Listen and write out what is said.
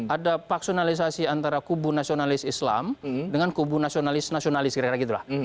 ada paksionalisasi antara kubu nasionalis islam dengan kubu nasionalis nasionalis kira kira gitu lah